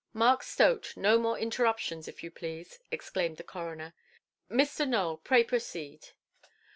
"Mark Stote, no more interruptions, if you please", exclaimed the coroner; "Mr. Nowell, pray proceed".